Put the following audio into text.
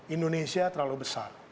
indonesia terlalu besar